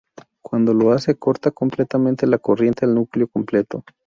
Cuando lo hace, corta completamente la corriente al núcleo completo.